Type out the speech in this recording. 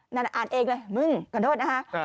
นั่นอ่านเองเลยมึงขอโทษนะคะ